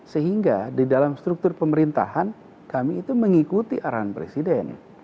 sehingga di dalam struktur pemerintahan kami itu mengikuti arahan presiden